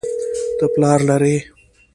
ته پلار لرې